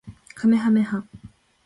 かめはめ波